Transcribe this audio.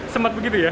sempat begitu ya